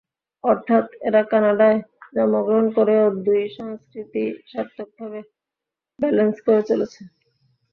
অর্থাৎ এরা কানাডায় জন্মগ্রহণ করেও দুই সংস্কৃতিই সার্থক ভাবে ব্যালেন্স করে চলছে।